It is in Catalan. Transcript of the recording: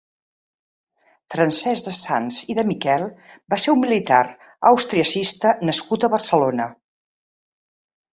Francesc de Sanç i de Miquel va ser un militar austriacista nascut a Barcelona.